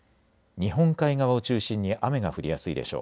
日本海側を中心に雨が降りやすいでしょう。